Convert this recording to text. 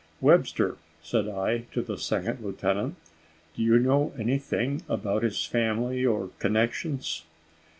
"Webster," said I to the second lieutenant, "do you know anything about his family or connections?"